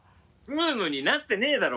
ブームになってねぇだろ！